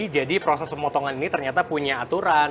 jadi proses pemotongan ini ternyata punya aturan